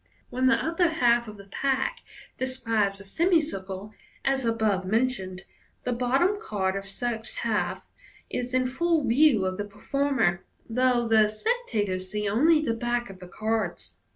When the upper half of the pack describes a semicircle, as above mentioned, the bottom card of such half is in full view of the performer, though the spectators see only the back? of the cards.